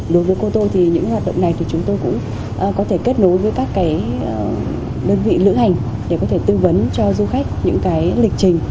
đối với cô tôi thì những hoạt động này thì chúng tôi cũng có thể kết nối với các đơn vị lữ hành để có thể tư vấn cho du khách những lịch trình